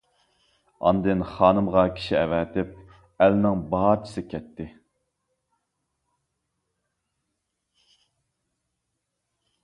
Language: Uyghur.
ئاندىن خانىمغا كىشى ئەۋەتىپ، ئەلنىڭ بارچىسى كەتتى.